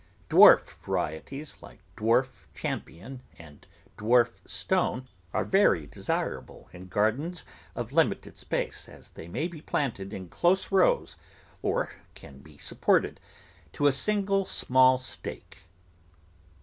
Dwarf varieties, like Dwarf Champion and Dwarf Stone are very desirable in gardens of limited space, as they maj^ be planted in close rows or can be supported to a single small stake.